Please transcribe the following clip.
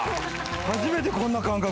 初めてこんな感覚。